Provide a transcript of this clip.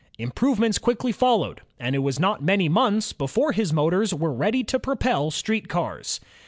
Improvements quickly followed, and it was not many months before his motors were ready to propel street cars.